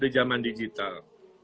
di zaman digital